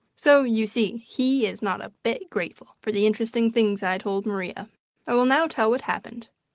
So you see he is not a bit grateful for the interesting things I told Maria. I will now tell what happened.